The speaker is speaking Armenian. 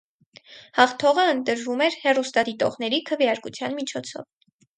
Հաղթողը ընտրվում էր հեռուստադիտողների քվեարկության միջոցով։